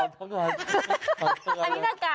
ของเขาค่ะ